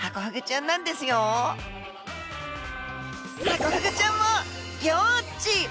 ハコフグちゃんもギョっち！